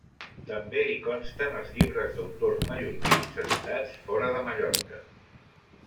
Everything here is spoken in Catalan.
També hi consten els llibres d’autors mallorquins editats fora de Mallorca.